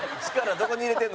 どこに集めてんの？